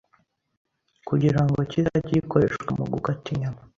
kugira ngo kizajye gikoreshwa mu gukata inyama.